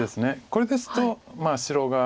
これですと白が。